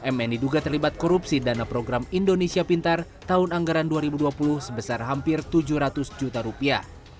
mn diduga terlibat korupsi dana program indonesia pintar tahun anggaran dua ribu dua puluh sebesar hampir tujuh ratus juta rupiah